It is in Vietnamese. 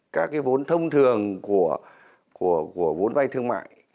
các cái vốn thông thường của vốn vay thương mại